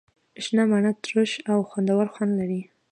شنه مڼه ترش او خوندور خوند لري.